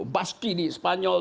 baski di spanyol